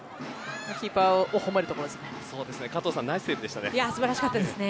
キーパーを褒めるところですね。